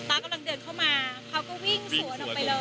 กำลังเดินเข้ามาเขาก็วิ่งสวนออกไปเลย